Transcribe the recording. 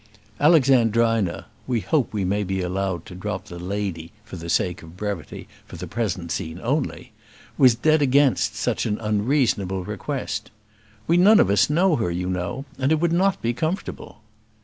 Alexandrina we hope we may be allowed to drop the "lady" for the sake of brevity, for the present scene only was dead against such an unreasonable request. "We none of us know her, you know; and it would not be comfortable."